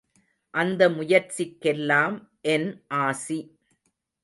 அந்த முயற்சிக்கெல்லாம் என் ஆசி.